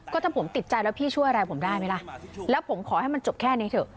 ก็ถ้าผมติดใจแล้วพี่ช่วยอะไรผมได้ไหมล่ะแล้วผมขอให้มันจบแค่นี้เถอะ